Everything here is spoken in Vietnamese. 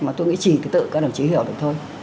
mà tôi nghĩ chỉ tự các đồng chí hiểu được thôi